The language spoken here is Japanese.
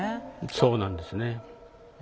そうなんですね。